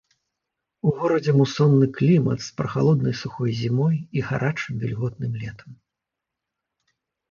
У горадзе мусонны клімат з прахалоднай сухой зімой і гарачым вільготным летам.